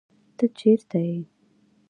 ته چېرته يې